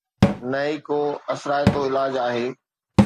نه ئي ڪو اثرائتو علاج آهي